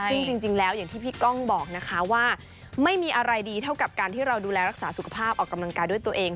ซึ่งจริงแล้วอย่างที่พี่ก้องบอกนะคะว่าไม่มีอะไรดีเท่ากับการที่เราดูแลรักษาสุขภาพออกกำลังกายด้วยตัวเอง